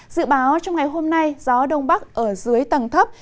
dự báo trong ngày hôm nay gió đông bắc ở dưới tầng thấp